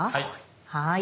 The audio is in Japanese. はい。